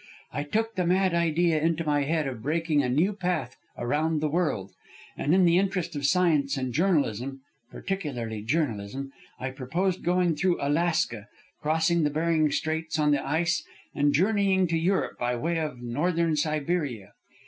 I took the mad idea into my head of breaking a new path around the world, and in the interest of science and journalism, particularly journalism, I proposed going through Alaska, crossing the Bering Straits on the ice, and journeying to Europe by way of Northern Siberia.